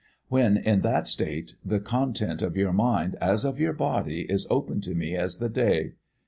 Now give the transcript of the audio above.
When in that state the content of your mind, as of your body, is open to me as the day.